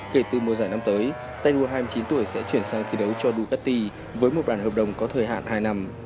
kể từ mùa giải năm tới tay đua hai mươi chín tuổi sẽ chuyển sang thi đấu cho ducati với một bàn hợp đồng có thời hạn hai năm